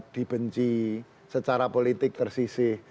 dibenci secara politik tersisih